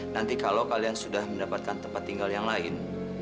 nanti kalau kalian sudah mendapatkan tempat tinggal yang lain